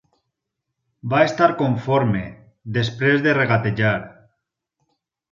Va estar conforme, després de regatejar.